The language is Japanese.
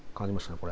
これ。